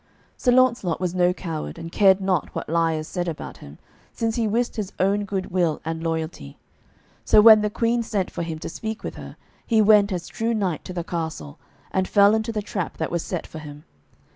Sir Launcelot was no coward, and cared not what liars said about him, since he wist his own good will and loyalty. So when the Queen sent for him to speak with her, he went as true knight to the castle, and fell into the trap that was set for him.